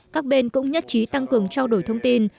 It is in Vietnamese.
các bên cũng nhất trí tăng cường trao đổi thông tin